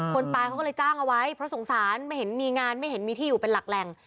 คนตายเขาก็เลยจ้างเอาไว้เพราะสงสารไม่เห็นมีงานไม่เห็นมีที่อยู่เป็นหลักแหล่ง